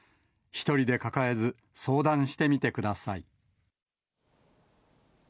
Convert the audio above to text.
１人で抱えず、相談してみてください。